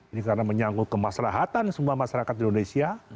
ini karena menyangkut kemaslahatan semua masyarakat di indonesia